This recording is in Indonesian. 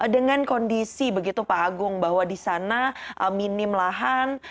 dengan kondisi begitu pak agung bahwa di sana minim lahan